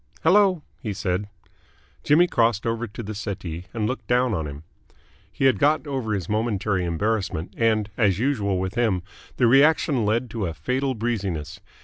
"Hello," he said. Jimmy crossed over to the settee, and looked down on him. He had got over his momentary embarrassment, and, as usual with him, the reaction led to a fatal breeziness.